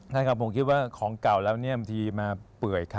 ใช่ครับผมคิดว่าของเก่าแล้วเนี่ยบางทีมาเปื่อย